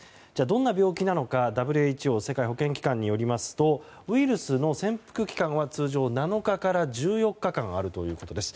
どんな病気なのかＷＨＯ・世界保健機関によりますとウイルスの潜伏期間は通常７日から１４日間あるということです。